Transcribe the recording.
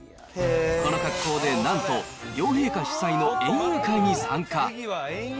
この格好でなんと、両陛下主催の園遊会に参加。